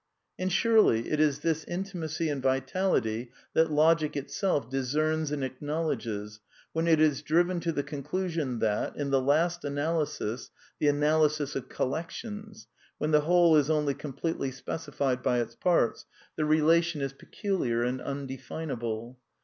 And surely it is this intimacy and vitality that logic itself discerns and acknowl edges when it is driven to the conclusion that, in the last analysis, the analysis of collections, when the whole is only completely specified by its parts, the relation is peculiar and undefinable